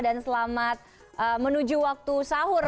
dan selamat menuju waktu sahur